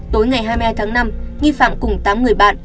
tối ngày hai mươi hai tháng năm nghi phạm cùng tám người bạn